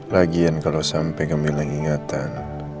lagian kalau sampai kamu hilang ingatan